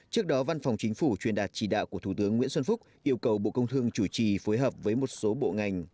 trước đó văn phòng chính phủ truyền đạt chỉ đạo của thủ tướng nguyễn xuân phúc yêu cầu bộ công thương chủ trì phối hợp với một số bộ ngành